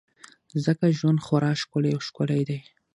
ځکه ژوند خورا ښکلی او ښکلی دی.